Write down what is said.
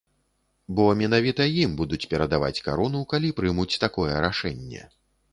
Бо менавіта ім будуць перадаваць карону, калі прымуць такое рашэнне.